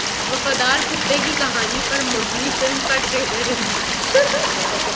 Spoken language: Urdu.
وفادار کتے کی کہانی پر مبنی فلم کا ٹریلر ریلیز